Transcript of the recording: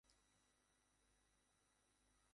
ওনার দুই দাদা ছিলেন।